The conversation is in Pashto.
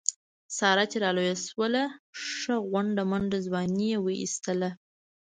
ساره چې را لویه شوله ښه غونډه منډه ځواني یې و ایستله.